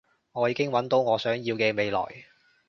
我已經搵到我想要嘅未來